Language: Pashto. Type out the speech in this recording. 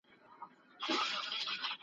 هغوی چي وران کړل کلي ښارونه !.